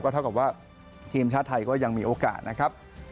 เท่ากับว่าทีมชาติไทยก็ยังมีโอกาสนะครับ